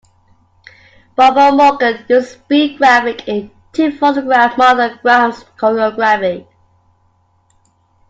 Barbara Morgan used a Speed Graphic to photograph Martha Graham's choreography.